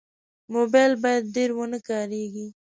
موبایل باید ډېر ونه کارېږي.